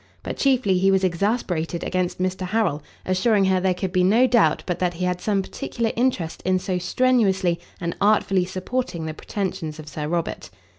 But chiefly he was exasperated against Mr. Harrel, assuring her there could be no doubt but that he had some particular interest in so strenuously and artfully supporting the pretensions of Sir Robert.